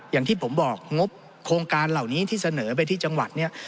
อย่างที่ผมบอกงบโครงการเหล่านี้ที่เสนอไปที่จังหวัดเนี่ย